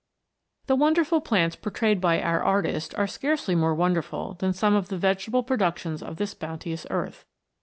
THE wonderful plants portrayed by our artist are scarcely more wonderful than some of the vegetable productions of this bounteous earth.